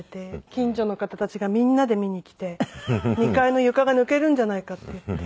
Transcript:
近所の方たちがみんなで見に来て２階の床が抜けるんじゃないかっていって。